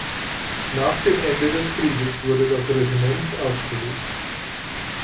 Nach dem Ende des Krieges wurde das Regiment aufgelöst.